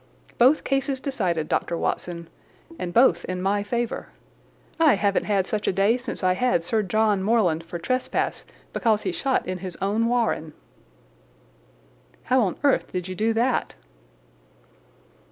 Both cases decided, Dr. Watson, and both in my favour. I haven't had such a day since I had Sir John Morland for trespass because he shot in his own warren." "How on earth did you do that?"